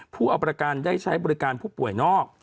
ผู้เอาประกันได้ใช้บริการผู้ป่วยนอก